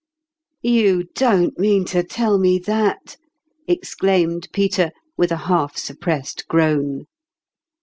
" You don't mean to tell me that !" ex claimed Peter, with a half suppressed groan.